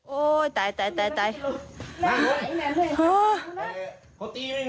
โอ๊ยตาย